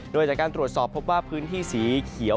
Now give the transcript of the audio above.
โดยจากการตรวจสอบพบว่าพื้นที่สีเขียว